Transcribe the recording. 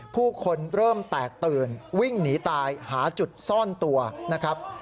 ผู้คนเริ่มแตกตื่นวิ่งหนีตายหาจุดซ่อนตัวนะครับ